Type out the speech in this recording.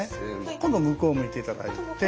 今度向こう向いて頂いて。